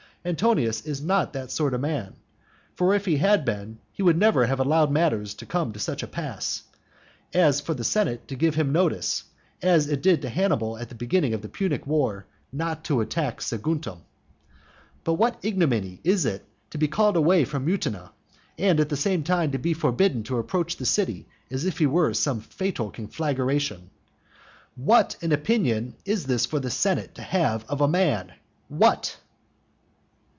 Antonius is not that sort of man. For if he had been, he would never have allowed matters to come to such a pass, as for the senate to give him notice, as it did to Hannibal at the beginning of the Punic war not to attack Saguntum. But what ignominy it is to be called away from Mutina, and at the same time to be forbidden to approach the city as if he were some fatal conflagration! what an opinion is this for the senate to have of a man! What?